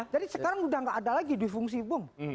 jadi sekarang udah gak ada lagi dui fungsi bung